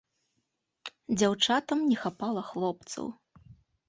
Дзяўчатам не хапала хлопцаў.